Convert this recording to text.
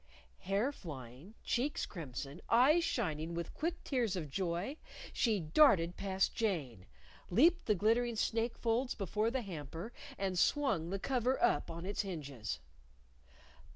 Hair flying, cheeks crimson, eyes shining with quick tears of joy, she darted past Jane, leaped the glittering snake folds before the hamper, and swung the cover up on its hinges.